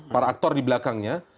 para aktor di belakangnya